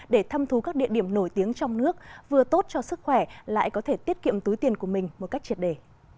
để thăm thú các địa điểm nổi tiếng trong nước vừa tốt cho sức khỏe lại có thể tiết kiệm túi tiền của mình một cách triệt đề